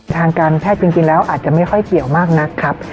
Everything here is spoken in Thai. ทางการแพทย์จริงแล้วอาจจะไม่ค่อยเกี่ยวมากนักครับ